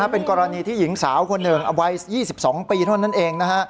เป็นกรณีที่หญิงสาวคนหนึ่งอายุ๒๒ปีเท่านั้นเองนะฮะ